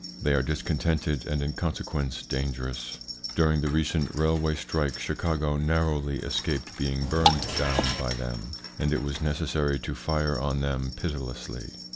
They are discontented and in consequence dangerous. During the recent railway strike Chicago narrowly escaped being burned down by them, and it was necessary to fire on them pitilessly.